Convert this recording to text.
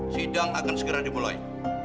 sidang akan segera dimulai